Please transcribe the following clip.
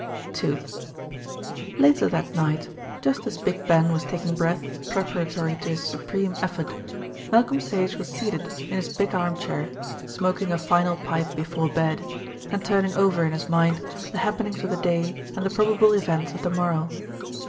II Later that night, just as Big Ben was taking breath preparatory to his supreme effort, Malcolm Sage was seated in his big arm chair smoking a final pipe before bed, and turning over in his mind the happenings of the day and the probable events of the morrow.